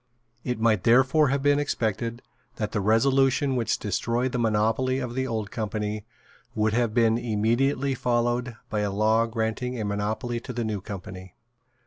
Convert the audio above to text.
It might therefore have been expected that the resolution which destroyed the monopoly of the Old Company would have been immediately followed by a law granting a monopoly to the New Company.